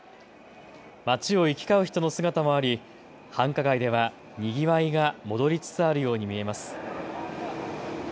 街を行き交う人の姿もあり繁華街では、にぎわいが戻りつつあるように見えます。